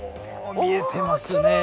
見えていますね。